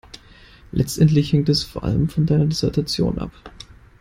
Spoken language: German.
Letztendlich hängt es vor allem von deiner Dissertation ab.